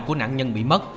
của nạn nhân bị mất